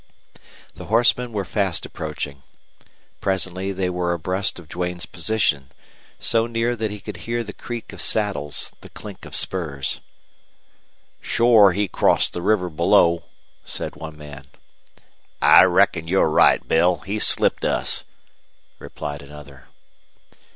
The horsemen were fast approaching. Presently they were abreast of Duane's position, so near that he could hear the creak of saddles, the clink of spurs. "Shore he crossed the river below," said one man. "I reckon you're right, Bill. He's slipped us," replied another.